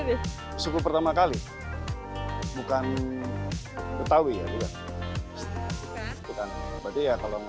zona pertama kali bukan betawi juga seperti itu kan berdoa kalungnya